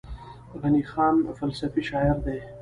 غني خان فلسفي شاعر دی.